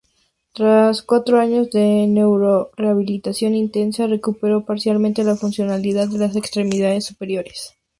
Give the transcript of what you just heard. Tras cuatro años de neuro-rehabilitación intensa, recuperó parcialmente la funcionalidad de las extremidades superiores.